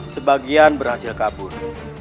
sebagian berhasil kabur